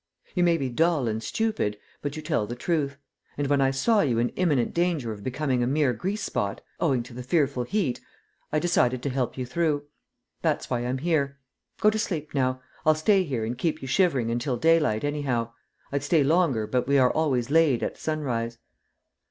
You may be dull and stupid, but you tell the truth, and when I saw you in imminent danger of becoming a mere grease spot, owing to the fearful heat, I decided to help you through. That's why I'm here. Go to sleep now. I'll stay here and keep you shivering until daylight anyhow. I'd stay longer, but we are always laid at sunrise."